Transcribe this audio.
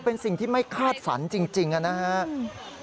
เป็นสิ่งที่ไม่คาดฝันจริงนะครับ